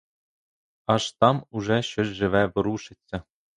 Аж там уже щось живе ворушиться.